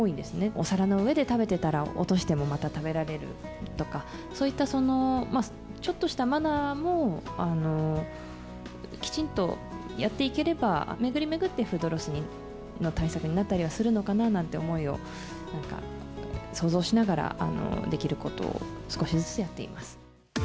お皿の上で食べていたら、落としてもまた食べられるとか、そういったちょっとしたマナーも、きちんとやっていければ、巡り巡ってフードロスの対策にはなったりするのかななんていう思いを想像しながら、できることを少しずつやっています。